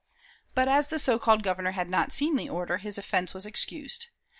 But as the so called Governor had not seen the order, his offense was excused.